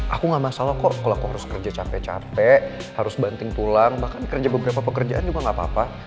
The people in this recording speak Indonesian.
aku gak masalah kok kalau aku harus kerja capek capek harus banting tulang bahkan kerja beberapa pekerjaan juga gak apa apa